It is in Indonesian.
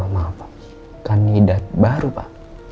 maaf pak kandidat baru pak